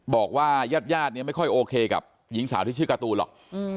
ญาติญาติเนี่ยไม่ค่อยโอเคกับหญิงสาวที่ชื่อการ์ตูนหรอก